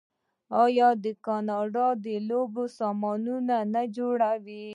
آیا کاناډا د لوبو سامان نه جوړوي؟